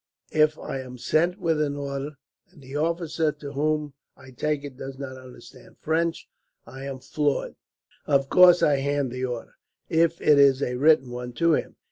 If I am sent with an order, and the officer to whom I take it does not understand French, I am floored. Of course I hand the order, if it is a written one, to him.